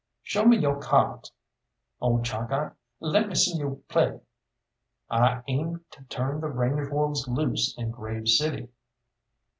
"Show me yo' cyards, old Chalkeye let me see yo' play." "I aim to turn the range wolves loose in Grave City."